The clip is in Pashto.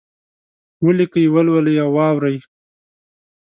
ولیکئ، ولولئ او واورئ!